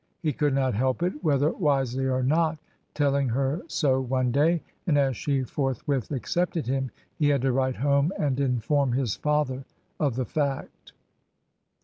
He could not help it, whether wisely or not, telling her so one day, and as she forthwith accepted him, he had to write home and inform his father of the fact.